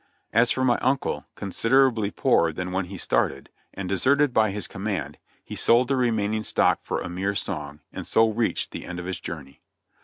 As for my uncle, considerably poorer than when he started, and deserted by his command, he sold the remaining stock for a mere song, and so reached the end of his journey.